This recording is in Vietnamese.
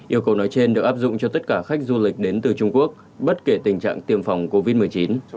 yêu cầu nói trên được áp dụng cho tất cả khách du lịch đến từ trung quốc bất kể tình trạng tiêm phòng covid một mươi chín